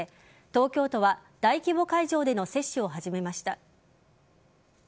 東京都は大規模会場での接種を始めました。